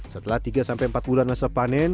setelah tiga sampai empat bulan masa panen